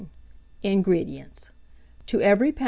INGREDIENTS. To every lb.